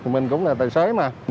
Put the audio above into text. mình cũng là tài xế mà